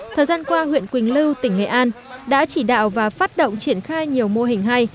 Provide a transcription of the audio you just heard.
thời gian qua huyện quỳnh lưu tỉnh nghệ an đã chỉ đạo và phát động triển khai nhiều mô hình hay